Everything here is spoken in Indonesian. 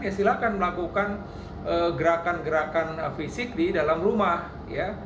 ya silahkan melakukan gerakan gerakan fisik di dalam rumah ya